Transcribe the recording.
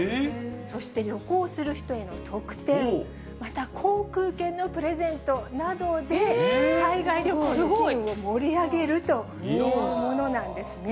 そして旅行する人への特典、また航空券のプレゼントなどで、海外旅行の機運を盛り上げるというものなんですね。